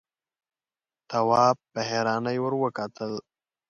تواب په حيرانۍ ور وکتل.